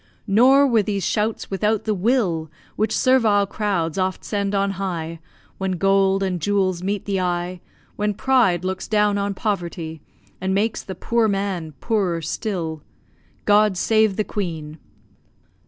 Nor were these shouts without the will, Which servile crowds oft send on high, When gold and jewels meet the eye, When pride looks down on poverty, And makes the poor man poorer still! God save the Queen!